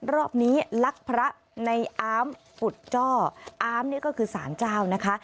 รอบนี้ลักพระในอามอุดจ้ออาร์มนี่ก็คือสารเจ้านะคะ